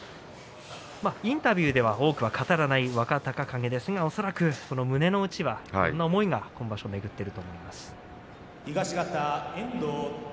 インタビューでは多くは語らない若隆景ですが恐らく胸の内はいろんな思いが今場所、巡っていると思います。